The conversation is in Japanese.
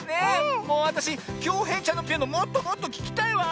もうわたしきょうへいちゃんのピアノもっともっとききたいわ！